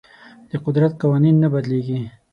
د قدرت قوانین نه بدلیږي.